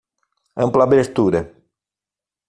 Ampla abertura